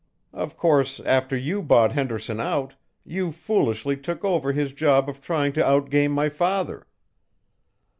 Of course, after you bought Henderson out, you foolishly took over his job of trying to outgame my father.